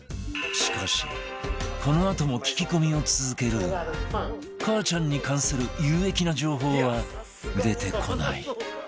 しかしこのあとも聞き込みを続けるがかあちゃんに関する有益な情報は出てこない